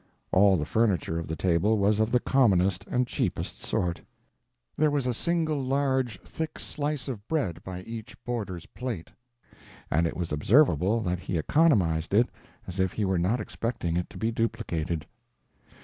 All the furniture of the table was of the commonest and cheapest sort. There was a single large thick slice of bread by each boarder's plate, and it was observable that he economized it as if he were not expecting it to be duplicated.